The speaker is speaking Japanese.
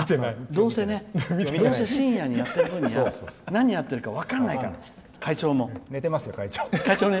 どうせ深夜にやってる分には何やってるか分からないから会長、寝てるから。